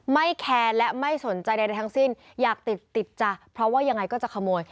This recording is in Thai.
แคร์และไม่สนใจใดทั้งสิ้นอยากติดติดจ้ะเพราะว่ายังไงก็จะขโมย